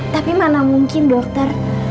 tapi mana mungkin dokter